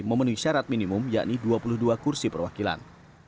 memenuhi syarat minimum yakni dua puluh dua kursi perwakilan